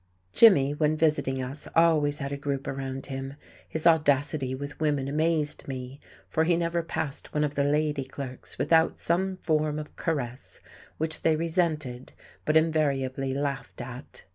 Jimmy, when visiting us, always had a group around him. His audacity with women amazed me, for he never passed one of the "lady clerks" without some form of caress, which they resented but invariably laughed at.